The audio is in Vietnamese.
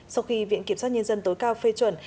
sau khi viện kiểm sát nhân dân tối cao phê chuẩn